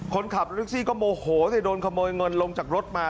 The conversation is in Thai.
คนขับรถแท็กซี่ก็โมโหแต่โดนขโมยเงินลงจากรถมา